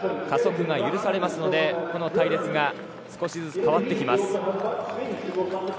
加速が許されますので、この隊列が少しずつ変わっていきます。